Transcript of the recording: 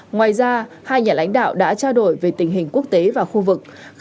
ngoài ra hai nhà lãnh đạo đã trao đổi về tình hình quốc tế và khu vực